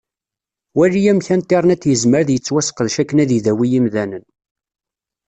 Wali amek Internet yezmer ad yettwaseqdec akken ad idawi imdanen.